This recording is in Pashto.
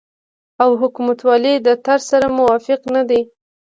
او حکومتولۍ د طرز سره موافق نه دي